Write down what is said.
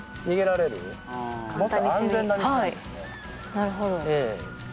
なるほど。